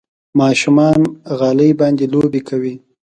ماشومان غالۍ باندې لوبې کوي.